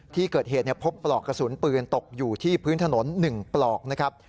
ที่เกิดเหตุพบปลอกกระสุนปืนตกอยู่ที่พื้นถนน๑ปลอกนะครับ